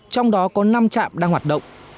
trong đó có năm chạm đang hoạt động